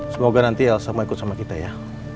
semoga nanti elsa mau ikut sama kita ya